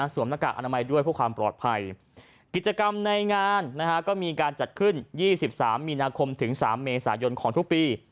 หน้ากากอนามัยด้วยเพื่อความปลอดภัยกิจกรรมในงานนะฮะก็มีการจัดขึ้น๒๓มีนาคมถึง๓เมษายนของทุกปี